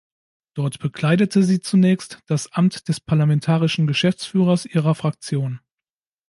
Dort bekleidete sie zunächst das Amt des parlamentarischen Geschäftsführers ihrer Fraktion.